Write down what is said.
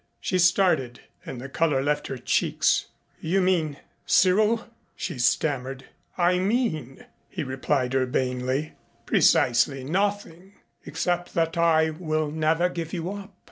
She started, and the color left her cheeks. "You mean Cyril?" she stammered. "I mean," he replied urbanely, "precisely nothing except that I will never give you up."